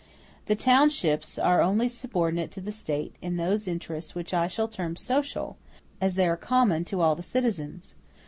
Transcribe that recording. The townships are only subordinate to the State in those interests which I shall term social, as they are common to all the citizens.